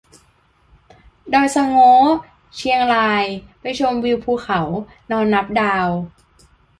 ดอยสะโง้ เชียงราย ไปชมวิวภูเขา นอนนับดาว